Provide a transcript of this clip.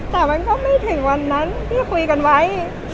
แต่มันก็ไม่ถึงวันนั้นที่คุยกันไว้